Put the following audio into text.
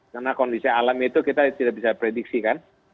karena kondisi alam itu kita tidak bisa prediksi kan